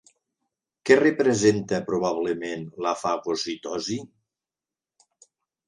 Què representa probablement la fagocitosi?